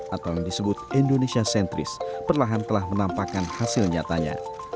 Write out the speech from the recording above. atau yang disebut indonesia sentris perlahan telah menampakkan hasil nyatanya